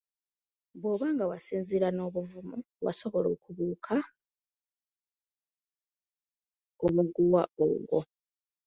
Bwoba nga wasinziira n'obuvumu wasobola okubuuka omuguwa ogwo.